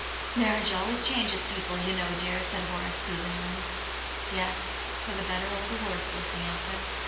"Marriage always changes people, you know dear," said Horace, soothingly. " Yes ; for the better or the worse," was the answer.